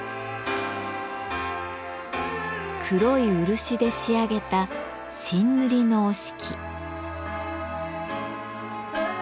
黒い漆で仕上げた真塗の折敷。